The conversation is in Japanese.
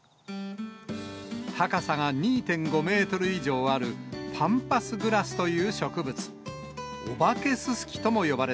高さが２．５メートル以上あるパンパスグラスという植物。